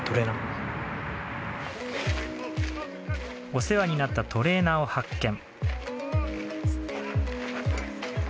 お世話になったトレーナーを発見。